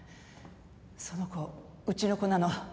その子うちの子なの。